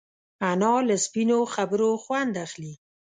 انا له سپینو خبرو خوند اخلي